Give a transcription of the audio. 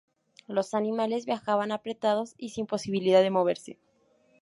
Los animales viajaban apretados y sin posibilidad de moverse.